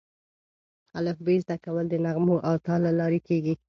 الفبې زده کول د نغمو او تال له لارې کېږي.